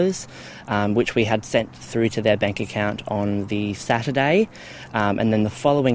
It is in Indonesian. yang kita telah mengirim ke akun bank mereka pada hari selatan